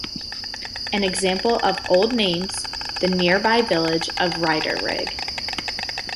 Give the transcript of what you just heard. An example of the old names, the nearby village of Riedering.